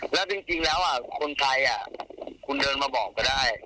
แล้วจริงแล้วคนไทยคุณเดินมาบอกก็ได้